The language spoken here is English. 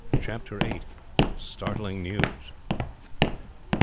CHAPTER VIII. STARTLING NEWS.